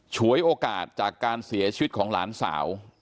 ฉวยโอกาสจากการเสียชีวิตของหลานสาว